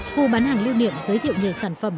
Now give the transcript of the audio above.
khu bán hàng lưu niệm giới thiệu nhiều sản phẩm